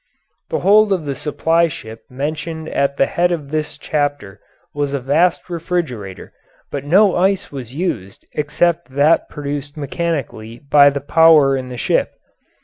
The hold of the supply ship mentioned at the head of this chapter was a vast refrigerator, but no ice was used except that produced mechanically by the power in the ship.